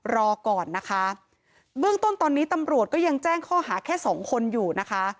รอก่อนนะคะเบื้องต้นตอนนี้ตำรวจก็ยังแจ้งข้อหาแค่สองคนอยู่นะคะ